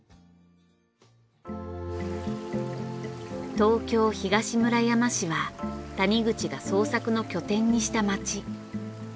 東京東村山市は谷口が創作の拠点にした町。